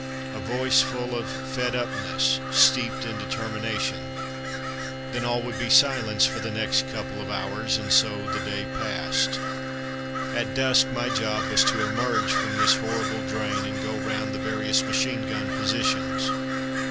a voice full of "fed upness," steeped in determination. Then all would be silence for the next couple of hours, and so the day passed. [Illustration: The Knave of Spades.] At dusk, my job was to emerge from this horrible drain and go round the various machine gun positions.